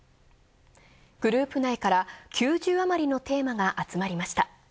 グループ内から９０あまりのテーマが集まりました。